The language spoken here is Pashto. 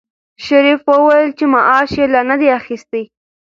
شریف وویل چې معاش یې لا نه دی اخیستی.